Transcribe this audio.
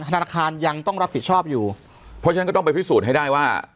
ธนาคารยังต้องรับผิดชอบอยู่เพราะฉะนั้นก็ต้องไปพิสูจน์ให้ได้ว่า